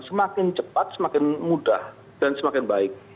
semakin cepat semakin mudah dan semakin baik